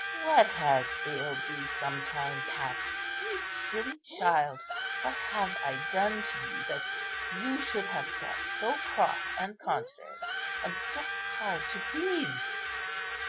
What has ailed thee some time past, you silly child? What have I done to you that you should have got so cross and contrary and so hard to please?"